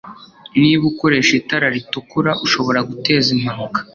Niba ukoresha itara ritukura, ushobora guteza impanuka.